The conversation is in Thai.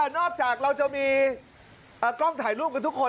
นอกจากเราจะมีกล้องถ่ายรูปกับทุกคน